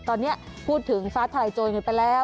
ตอนนี้พูดถึงฟ้าไทยโจยไปแล้ว